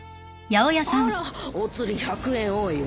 あらお釣り１００円多いわ。